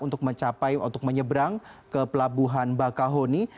untuk menyeberang ke pelabuhan bakahoni